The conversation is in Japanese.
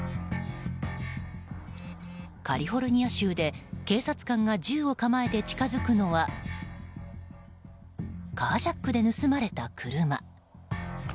カリフォルニア州で警察官が銃を構えて近づくのはカージャックで盗まれた車。